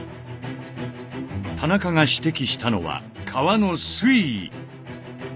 田中が指摘したのは川の水位。